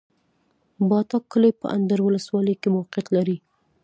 باټا کلی په اندړ ولسوالۍ کي موقعيت لري